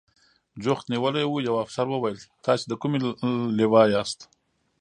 جوخت نیولي و، یوه افسر وویل: تاسې د کومې لوا یاست؟